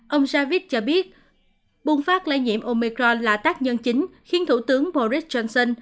ông javid cho biết bùng phát lây nhiễm omicron là tác nhân chính khiến thủ tướng boris johnson